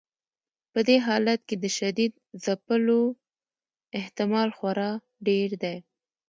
په دې حالت کې د شدید ځپلو احتمال خورا ډیر دی.